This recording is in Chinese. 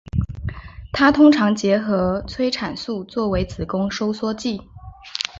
它通常结合催产素作为子宫收缩剂。